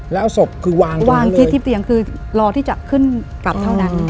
แล้วศพคือวางที่ที่เตียงคือรอที่จะขึ้นกลับเท่านั้น